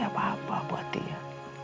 apa apa buat dia